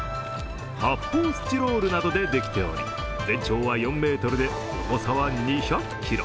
発泡スチロールなどでできており全長は４ｍで、重さは２００ｋｇ。